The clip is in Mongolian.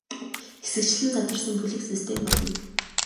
Хэсэгчлэн задарсан бүлэг систем болно.